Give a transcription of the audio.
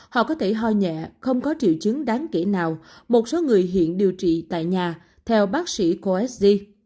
họ có thể ho nhẹ không có triệu chứng đáng kể nào một số người hiện điều trị tại nhà theo bác sĩ khoa s d